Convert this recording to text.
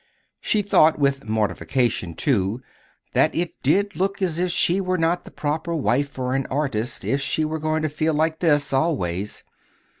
She thought with mortification, too, that it did look as if she were not the proper wife for an artist if she were going to feel like this always.